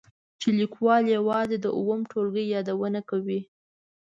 چې لیکوال یوازې د اووم ټولګي یادونه کوي.